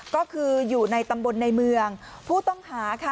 ก็คืออยู่ในตำบลในเมืองผู้ต้องหาค่ะ